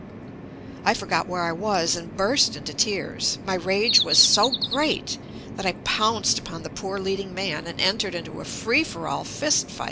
I forgot where I was and burst into tears. My rage was so great that I pounced upon the poor leading man and entered into a free for all fist fight.